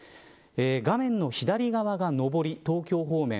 画面の左側が上り、東京方面。